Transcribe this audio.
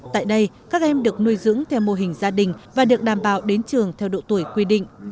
tại đây các em được nuôi dưỡng theo mô hình gia đình và được đảm bảo đến trường theo độ tuổi quy định